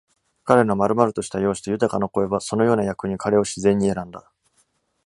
彼の丸々とした容姿と豊かな声は、そのような役に彼を自然に選んだ。